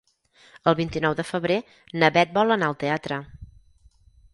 El vint-i-nou de febrer na Bet vol anar al teatre.